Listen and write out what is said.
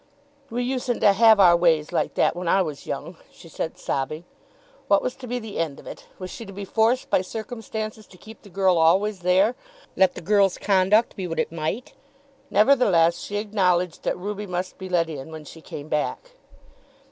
"We usen't to have our ways like that when I was young," she said, sobbing. What was to be the end of it? Was she to be forced by circumstances to keep the girl always there, let the girl's conduct be what it might? Nevertheless she acknowledged that Ruby must be let in when she came back.